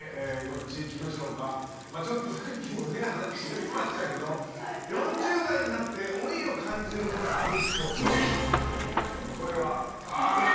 続いて、さっきも話に出てましたけど４０代になって老いを感じることあるっぽい。